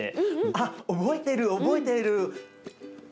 あっ覚えてる覚えてる。